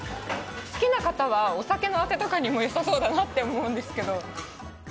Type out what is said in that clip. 好きな方はお酒のあてとかにもよさそうだなって思うんですけど。